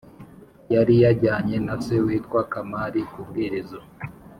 Yari yajyanye na se witwa Kamari kubwiriza